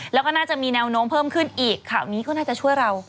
แล้วก็น่าจะมีแนวโน้มเพิ่มขึ้นอีกข่าวนี้ก็น่าจะช่วยเรา